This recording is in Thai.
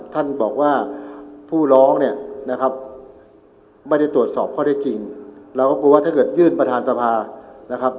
ท่านบอกว่าผู้ร้องเนี่ยนะครับไม่ได้ตรวจสอบข้อได้จริงเราก็กลัวว่าถ้าเกิดยื่นประธานสภานะครับ